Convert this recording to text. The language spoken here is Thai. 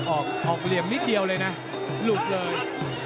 ออกเหลี่ยมนิดเดียวเลยนะหลุดเลย